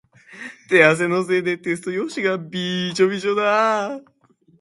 手汗のせいでテスト用紙がびしょびしょだ。